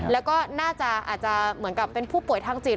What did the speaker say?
แล้วก็น่าจะอาจจะเหมือนกับเป็นผู้ป่วยทางจิต